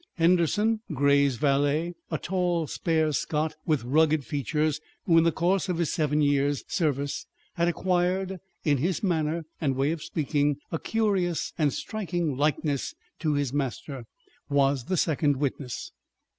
Henderson, Grey's valet, a tall, spare Scot with rugged features who in the course of his seven years' service had acquired, in his manner and way of speaking, a curious and striking likeness to his master, was the second witness.